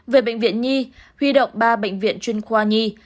về bệnh viện nhi huy động ba bệnh viện chuyên khoa nhi